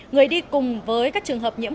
người đi cùng với các trường hợp nhiễm